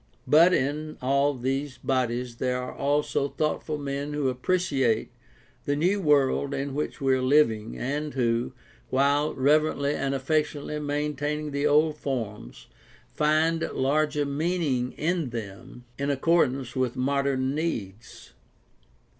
But in all these bodies there are also thoughtful men who appreciate the new world in which we are living, and who, while reverently and affectionately maintaining the old forms, find larger meaning in them in accordance with modern needs.